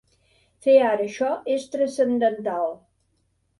Fer ara això és transcendental.